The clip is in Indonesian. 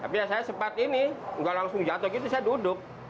tapi saya sempat ini nggak langsung jatuh gitu saya duduk